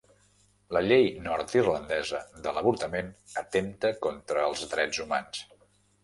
La llei nord-irlandesa de l'avortament atempta contra els drets humans